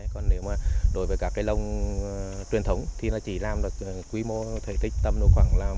còn nếu mà đối với các cây lồng tuyên thống thì nó chỉ làm được quy mô thể tích tầm khoảng là một trăm linh m hai đến hai trăm linh m hai